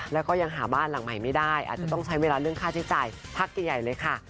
แล้วก็ยังหาบ้านหลังใหม่ไม่ได้อาจจะต้องใช้เวลาเรื่องค่าใช้จ่ายพักใหญ่เลยค่ะ